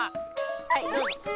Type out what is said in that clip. はいどうぞ。